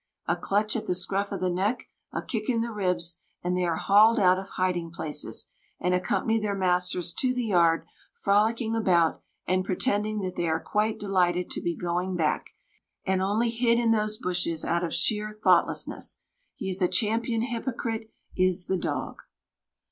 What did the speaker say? A clutch at the scruff of the neck, a kick in the ribs, and they are hauled out of hiding places; and accompany their masters to the yard frolicking about and pretending that they are quite delighted to be going back, and only hid in those bushes out of sheer thoughtlessness. He is a champion hypocrite, is the dog.